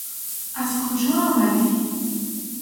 از کجا آمدی؟